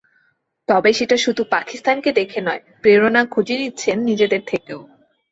তবে সেটা শুধু পাকিস্তানকে দেখে নয়, প্রেরণা খুঁজে নিচ্ছেন নিজেদের থেকেও।